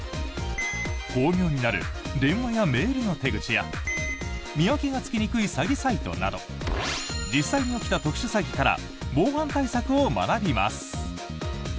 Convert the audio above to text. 巧妙になる電話やメールの手口や見分けがつきにくい詐欺サイトなど実際に起きた特殊詐欺から防犯対策を学びます。